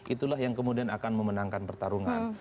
itulah yang kemudian akan memenangkan pertarungan